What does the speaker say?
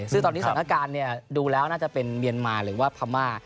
ซึ่งตอนนี้สถานการณ์ดูแล้วน่าจะเป็นเมียนมาหรือว่าพม่า